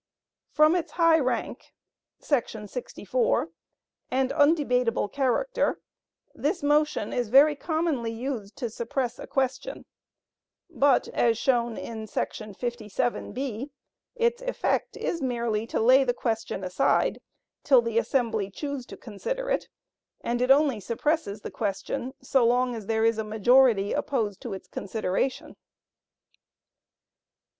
From its high rank [§ 64] and undebatable character, this motion is very commonly used to suppress a question, but, as shown in § 57 (b), its effect is merely to lay the question aside till the assembly choose to consider it, and it only suppresses the question so long as there is a majority opposed to its consideration.